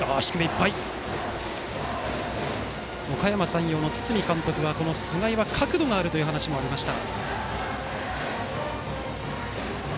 おかやま山陽の堤監督からは菅井は角度があるという話もありました。